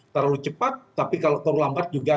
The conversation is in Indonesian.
terlalu cepat tapi kalau terlalu lambat juga